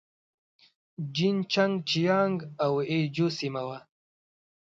جين چنګ جيانګ او يي جو سيمه وه.